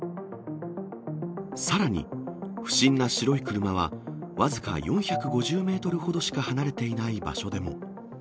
さらに、不審な白い車は、僅か４５０メートルほどしか離れていない場所でも。